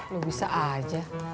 lu bisa aja